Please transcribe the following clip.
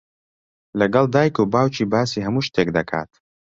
لەگەڵ دایک و باوکی باسی هەموو شتێک دەکات.